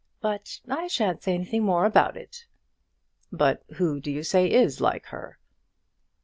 But I shan't say anything more about it." "But who do you say is like her?"